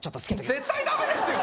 絶対ダメですよ！